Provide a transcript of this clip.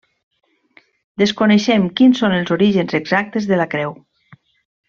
Desconeixem quins són els orígens exactes de la creu.